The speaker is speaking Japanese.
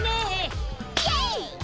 イエイ！